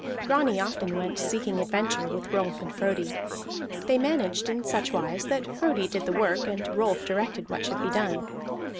Grani often went seeking adventure with Rolf and Frodi; they managed in such wise that Frodi did the work and Rolf directed what should be done.